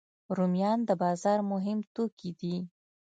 رومیان د بازار مهم توکي دي